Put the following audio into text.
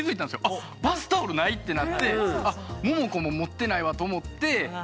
あバスタオルないってなってももこも持ってないわと思って優しい。